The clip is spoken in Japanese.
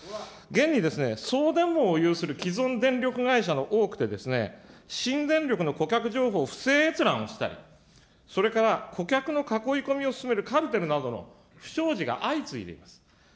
現に送電網を有する既存電力会社も多くて、新電力の顧客情報を不正閲覧をしていたり、それから顧客の囲い込みを進めるカルテルなどの不祥事が相次いでいます。